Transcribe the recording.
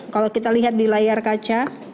kalau kita lihat di layar kaca